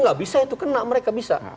nggak bisa itu kena mereka bisa